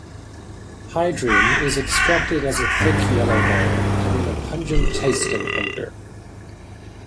Hygrine is extracted as a thick yellow oil, having a pungent taste and odor.